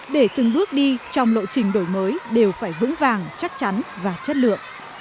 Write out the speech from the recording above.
để từng bước đi trong lộ trình đổi mới đều phải vững vàng chắc chắn và chất lượng